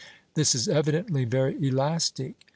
This is evidently very elastic.